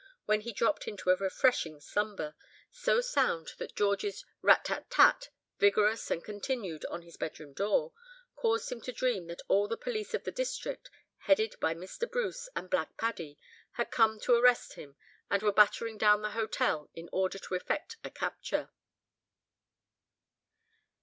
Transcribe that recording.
when he dropped into a refreshing slumber, so sound that George's rat tat tat, vigorous and continued on his bedroom door, caused him to dream that all the police of the district, headed by Mr. Bruce and Black Paddy, had come to arrest him, and were battering down the hotel in order to effect a capture.